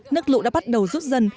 nước lũ đã bắt đầu rút dân